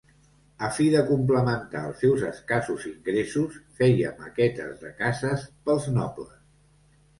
A fi de complementar els seus escassos ingressos, feia maquetes de cases pels nobles.